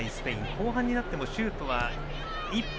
後半になってもシュートは１本。